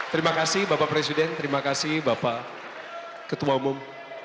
terima kasih bapak presiden terima kasih bapak ketua umum